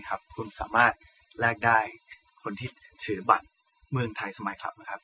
คนเดียว